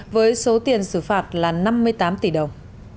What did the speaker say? với số tiền xử phạt là năm mươi tám tỷ đồng